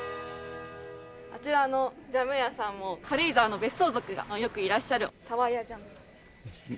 あちらあのジャム屋さんも軽井沢の別荘族がよくいらっしゃる沢屋ジャムさんですね。